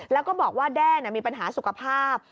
แล้วก็บอกว่าแด้มีปัญหาสุขภาพ